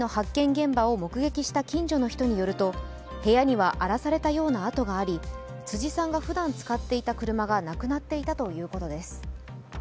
現場を目撃した近所の人によると、部屋には荒らされたような跡があり辻さんがふだん使っていた車がなくなっていたということです。